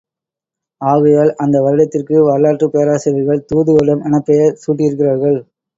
ஆகையால், அந்த வருடத்திற்கு வரலாற்றுப் பேராசிரியர்கள் தூது வருடம் எனப் பெயர் சூட்டியிருக்கிறார்கள்.